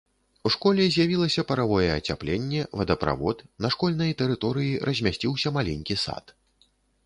У школе з'явілася паравое ацяпленне, вадаправод, на школьнай тэрыторыі размясціўся маленькі сад.